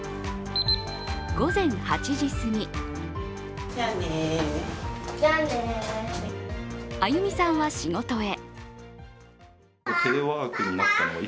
午前８時すぎあゆみさんは仕事へ。